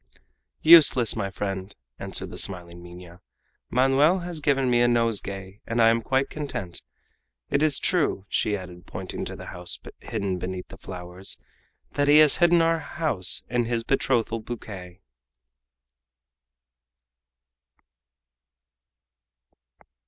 "Useless, my friend," answered the smiling Minha. "Manoel has given me a nosegay and I am quite content. It is true," she added, pointing to the house hidden beneath the flowers, "that he has hidden our house in his betrothal bouquet!"